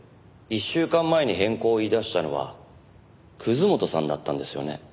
１週間前に変更を言い出したのは本さんだったんですよね？